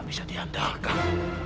gak bisa diandalkan